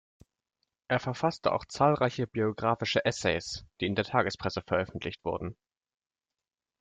Er verfasste auch zahlreiche biographische Essays, die in der Tagespresse veröffentlicht wurden.